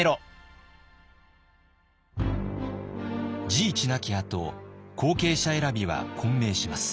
治一亡きあと後継者選びは混迷します。